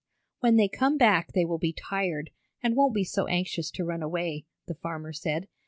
"When they come back they will be tired, and won't be so anxious to run away," the farmer said.